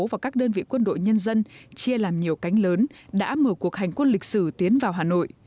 và các đơn vị quân đội nhân dân chia làm nhiều cánh lớn đã mở cuộc hành quân lịch sử tiến vào hà nội